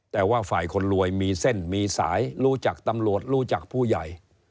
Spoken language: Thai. แต่ว่าฝ่ายคนรวยมีเส้นมีสายรู้จักตำรวจรู้จักผู้ใหญ่